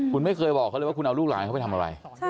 คุณไม่เคยบอกเขาเลยว่าคุณเอาลูกหลานเขาไปทำอะไร